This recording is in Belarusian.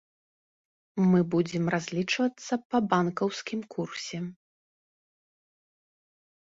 Мы будзем разлічвацца па банкаўскім курсе.